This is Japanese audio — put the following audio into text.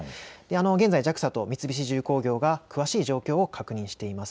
現在ＪＡＸＡと三菱重工業が詳しい状況を確認しています。